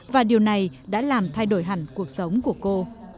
và điều này đã làm thay đổi hẳn cuộc sống của cô